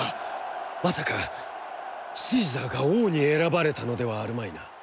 まさか、シーザーが王に選ばれたのではあるまいな？」。